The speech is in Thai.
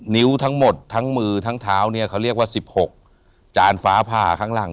นิ้วทั้งหมดทั้งมือทั้งเท้าเนี่ยเขาเรียกว่า๑๖จานฟ้าผ่าข้างหลัง